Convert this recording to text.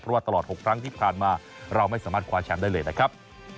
เพราะว่าตลอด๖ครั้งที่ผ่านมาเราไม่สามารถคว้าแชมป์ได้เลยนะครับ